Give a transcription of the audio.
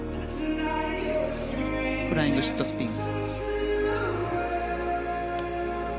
フライングシットスピン。